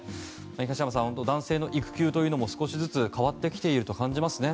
東山さん、男性の育休も少しずつ変わってきていると感じますね。